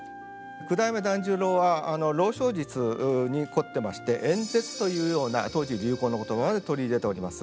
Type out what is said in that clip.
九代目團十郎は朗誦術に凝ってまして「演説」というような当時流行の言葉で取り入れております。